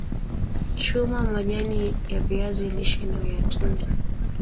chuma majani ya viazi lishe na uyatunze